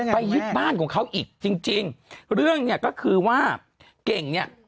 ยึดบ้านของเขาอีกจริงจริงเรื่องเนี่ยก็คือว่าเก่งเนี่ย